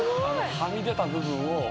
ハミ出た部分を。